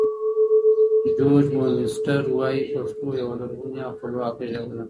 جورج مورګنسټرن وایې پښتو یوه لرغونې او خپلواکه ژبه ده.